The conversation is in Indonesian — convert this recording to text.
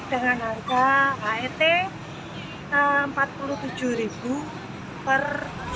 dengan harga het rp empat puluh tujuh per